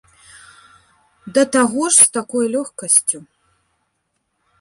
Да таго ж з такой лёгкасцю.